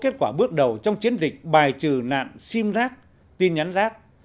các nhà mạng đã bắt đầu bước đầu trong chiến dịch bài trừ nạn sim rác tin nhắn rác